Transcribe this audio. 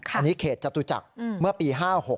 อันนี้เขตจตุจักรเมื่อปี๕๖